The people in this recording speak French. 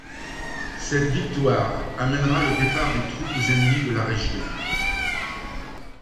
Cette victoire amènera le départ des troupes ennemies de la région.